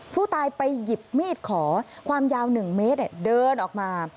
ผู้ตายไปหยิบมีดขอความยาว๑เมตรเดินออกมา